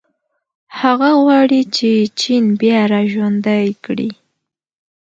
هغه غواړي چې چین بیا راژوندی کړي.